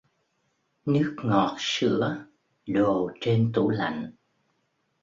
Nước ngọt sữa đồ trên tủ lạnh